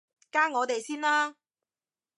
加我哋先啦